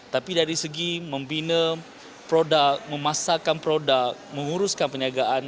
tapi dari segi membina produk memasarkan produk menguruskan perniagaan